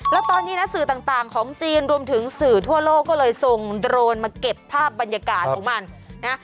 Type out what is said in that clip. แล้วตอนนี้นะสื่อต่างของจีนรวมถึงสื่อทั่วโลกก็เลยส่งโดรนมาเก็บภาพบรรยากาศของมันนะ